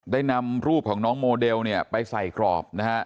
ได้นำรูปของน้องโมเดลเนี่ยไปใส่กรอบนะฮะ